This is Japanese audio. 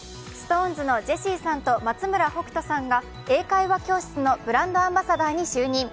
ＳｉｘＴＯＮＥＳのジェシーさんと松村北斗さんが英会話教室のブランドアンバサダーに就任。